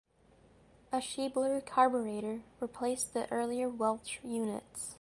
A Schebler carburetor replaced the earlier Welch units.